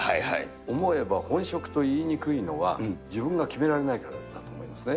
思えば本職と言いにくいのは、自分が決められないからだと思いますね。